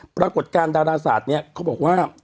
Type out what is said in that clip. ปรากฏการณ์ดาราศาสตร์เนี่ยเขาบอกว่า